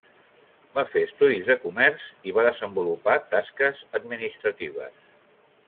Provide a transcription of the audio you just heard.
Va fer estudis de comerç i va desenvolupar tasques administratives.